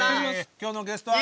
今日のゲストは。